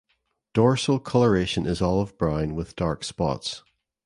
Dorsal colouration is olive brown with dark spots.